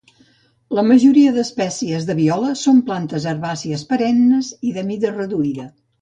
La majoria d'espècies de viola són plantes herbàcies perennes i de mida reduïda.